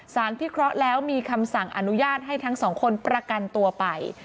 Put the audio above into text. พิเคราะห์แล้วมีคำสั่งอนุญาตให้ทั้งสองคนประกันตัวไป